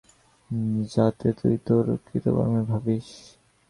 যাতে তুই তোর কৃতকর্মের ভাবিস।